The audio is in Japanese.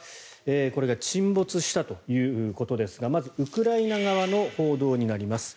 これが沈没したということですがまずウクライナ側の報道になります。